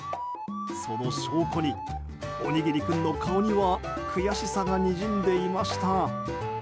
その証拠に、おにぎり君の顔には悔しさがにじんでいました。